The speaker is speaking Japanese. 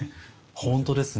本当ですね。